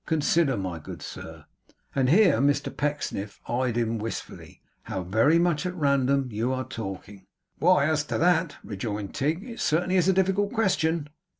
Consider, my good sir ' and here Mr Pecksniff eyed him wistfully 'how very much at random you are talking.' 'Why, as to that,' rejoined Tigg, 'it certainly is a difficult question.